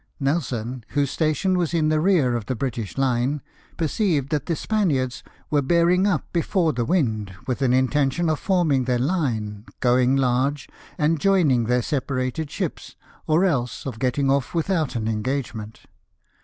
Nelson, whose station was in the rear of the British line. 106 LIFK OF NELSON. perceived that the Spaniards were bearing up before the wind with an intention of forming their hne, going large, and joining their separated ships, or else of getting off without an engagement.